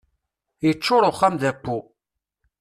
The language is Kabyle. Yeččur uxxam d abbu.